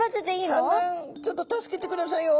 「産卵ちょっと助けてくださいよ」。